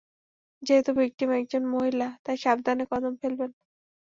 যেহেতু ভিকটিম একজন মহিলা, তাই সাবধানে কদম ফেলবে।